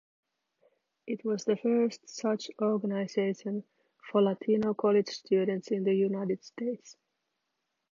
It was the first such organization for Latino college students in the United States.